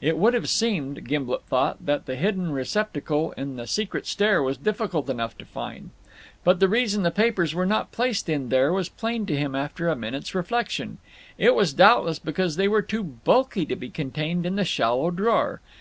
It would have seemed, Gimblet thought, that the hidden receptacle in the secret stair was difficult enough to find; but the reason the papers were not placed in there was plain to him after a minute's reflection. It was doubtless because they were too bulky to be contained in the shallow drawer.